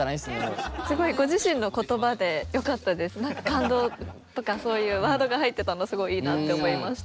感動とかそういうワードが入ってたのすごいいいなって思いました。